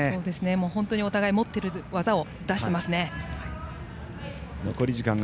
本当にお互い持っている技を出してますね。